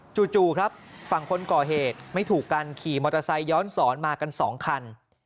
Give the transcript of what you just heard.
จู่ครับฝั่งคนก่อเหตุไม่ถูกกันขี่มอเตอร์ไซค์ย้อนสอนมากัน๒คัน